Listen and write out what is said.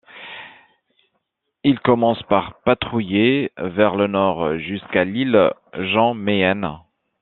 Il commence par patrouiller vers le nord jusqu'à l'île Jan Mayen.